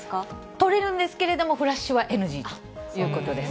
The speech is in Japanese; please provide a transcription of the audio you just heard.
撮れるんですけれども、フラッシュはＮＧということです。